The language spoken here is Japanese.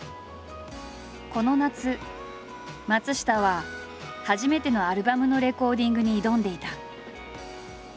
この夏松下は初めてのアルバムのレコーディングに挑んでいた。